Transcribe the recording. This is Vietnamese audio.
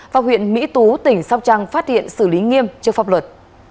và huyện mỹ tú tỉnh sóc trăng phát hiện xử lý nghiêm trước pháp luật